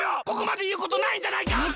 ここまでいうことないじゃないか！